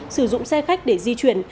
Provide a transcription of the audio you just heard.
sử dụng xe khách để di chuyển